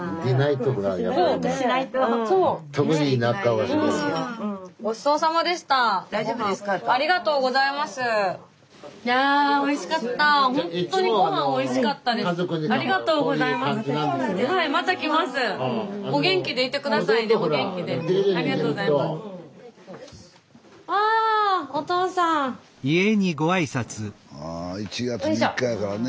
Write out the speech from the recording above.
スタジオあ１月３日やからね